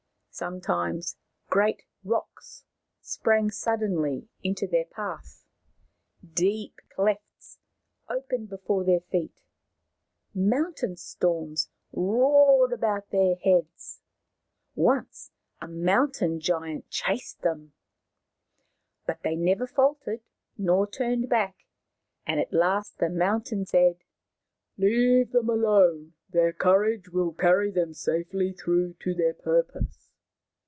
Sometimes great rocks sprang suddenly into their path ; deep clefts opened before their feet ; mountain storms roared about their heads ; once a moun tain giant chased them. But they neither faltered nor turned back, and at last the mountains said, 54 Maoriland Fairy Tales " Leave them alone. Their courage will carry them safely through to their purpose."